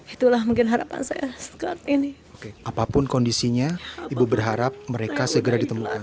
itulah mungkin harapan saya saat ini apapun kondisinya ibu berharap mereka segera ditemukan